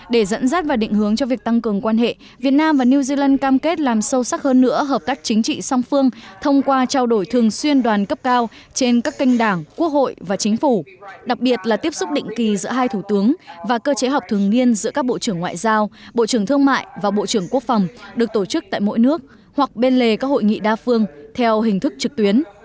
để dẫn dắt và định hướng cho việc tăng cường quan hệ việt nam và new zealand cam kết làm sâu sắc hơn nữa hợp tác chính trị song phương thông qua trao đổi thường xuyên đoàn cấp cao trên các kênh đảng quốc hội và chính phủ đặc biệt là tiếp xúc định kỳ giữa hai thủ tướng và cơ chế học thường niên giữa các bộ trưởng ngoại giao bộ trưởng thương mại và bộ trưởng quốc phòng được tổ chức tại mỗi nước hoặc bên lề các hội nghị đa phương theo hình thức trực tuyến